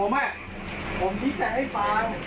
ผมพิจารณ์ให้ฟัง